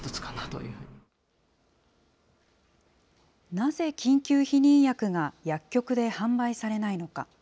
なぜ緊急避妊薬が薬局で販売されないのか。